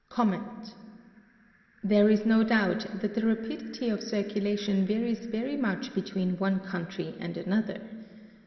"There is no doubt that the rapidity of circulation varies very much between one country and another.